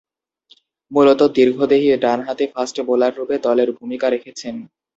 মূলতঃ দীর্ঘদেহী ডানহাতি ফাস্ট বোলাররূপে দলে ভূমিকা রেখেছেন।